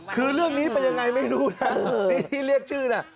คือเรื่องนี้เป็นยังไงไม่รู้นะที่เรียกชื่อน่ะ